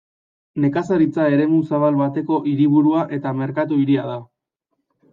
Nekazaritza eremu zabal bateko hiriburua eta merkatu hiria da.